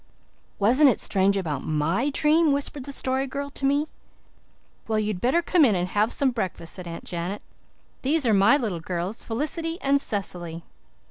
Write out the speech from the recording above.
"Wasn't it strange about MY dream?" whispered the Story Girl to me. "Well, you'd better come in and have some breakfast," said Aunt Janet. "These are my little girls Felicity and Cecily."